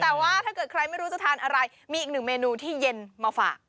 แต่ว่าถ้าเกิดใครไม่รู้จะทานอะไรมีอีกหนึ่งเมนูที่เย็นมาฝาก